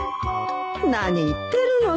何言ってるの。